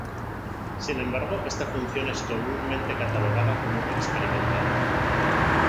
Sin embargo esta función es comúnmente catalogada como experimental.